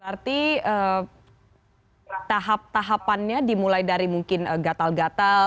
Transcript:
artinya tahap tahapannya dimulai dari mungkin gatal gatal